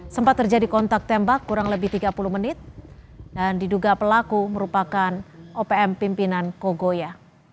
sempat terjadi kontak tembak kurang lebih tiga puluh menit dan diduga pelaku merupakan opm pimpinan kogoya